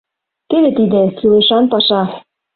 — Теве тиде — кӱлешан паша!